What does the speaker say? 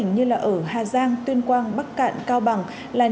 nhật độ thấp nhất chỉ khoảng hai mươi bốn độ c